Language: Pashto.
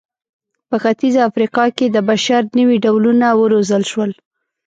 په ختیځه افریقا کې د بشر نوي ډولونه وروزل شول.